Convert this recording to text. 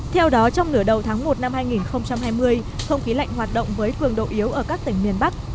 theo đó trong nửa đầu tháng một năm hai nghìn hai mươi không khí lạnh hoạt động với cường độ yếu ở các tỉnh miền bắc